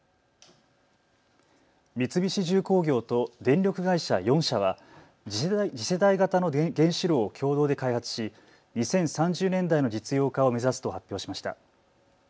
三菱重工業と電力会社４社は次世代型の原子炉を共同で開発し２０３０年代の実用化を目指すと発表しました。